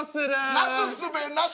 なすすべなし！